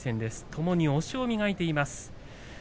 ともに押しを磨いています。